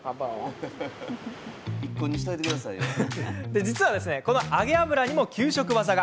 実は、この揚げ油にも給食ワザが。